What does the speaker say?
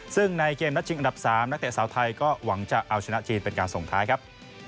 ซึ่งในเกมนัดชิงอันดับ๓นักเตะสาวไทยก็หวังจะเอาชนะจีนเป็นการส่งท้ายครับ